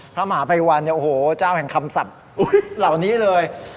พระมหาภัยวันเนี่ยโอ้โหเจ้าแห่งคำศัพท์เหล่านี้เลย